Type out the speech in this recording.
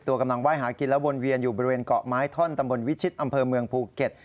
กำลังไห้หากินและวนเวียนอยู่บริเวณเกาะไม้ท่อนตำบลวิชิตอำเภอเมืองภูเก็ต